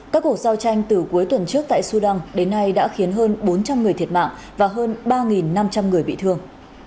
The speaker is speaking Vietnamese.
các cuộc giao tranh từ cuối tuần trước tại sudan đến nay đã khiến hơn bốn trăm linh người thiệt mạng và hơn ba năm trăm linh người bị thương